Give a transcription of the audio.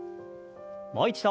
もう一度。